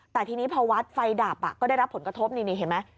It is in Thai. แต่ทีนี้พอวัดไฟดับก็ได้รับผลกระทบนี่เห็นไหม